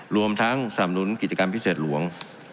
รวมทั้งสำนุนกิจกรรมพิเศษหลวง